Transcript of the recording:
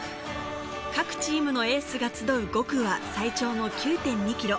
各チームのエースが集う５区は最長の９．２ｋｍ。